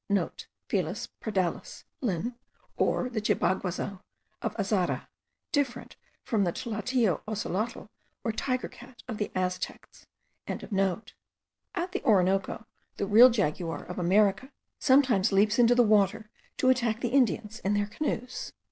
*(* Felis pardalis, Linn., or the chibiguazu of Azara, different from the Tlateo Ocelotl, or tiger cat of the Aztecs.) At the Orinoco, the real jaguar of America sometimes leaps into the water, to attack the Indians in their canoes.